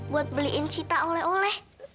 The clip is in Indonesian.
buat beliin cita oleh oleh